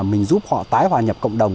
mình giúp họ tái hòa nhập cộng đồng